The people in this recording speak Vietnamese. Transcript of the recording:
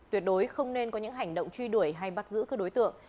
tuyệt đối không nên có những hành động truy đuổi hay bắt giữ các đối tượng